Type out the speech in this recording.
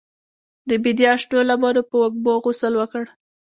د بیدیا شنو لمنو په وږمو غسل وکړ